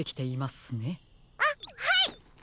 あっはい！